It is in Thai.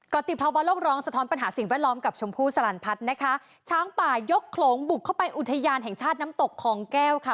ติภาวะโลกร้องสะท้อนปัญหาสิ่งแวดล้อมกับชมพู่สลันพัฒน์นะคะช้างป่ายกโขลงบุกเข้าไปอุทยานแห่งชาติน้ำตกคลองแก้วค่ะ